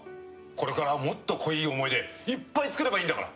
これからもっと濃い思い出いっぱい作ればいいんだから。